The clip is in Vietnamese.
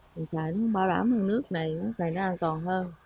mình xài nó bảo đảm nước này nước này nó an toàn hơn